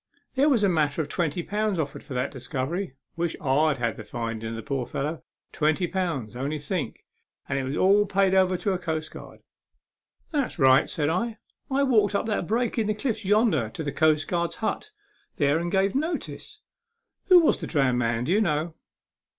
" There was a matter of twenty pound offered for that discovery. Wish Td had the finding of the poor fellow. Twenty pound. Only think. And it was all paid over to a coastguard." " That's right," said I. " I walked up that break in the cliffs yonder to the coastguard's hut there and gave notice. Who was the drowned man, do you know?"